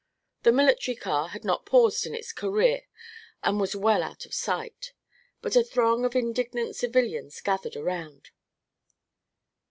The military car had not paused in its career and was well out of sight, but a throng of indignant civilians gathered around.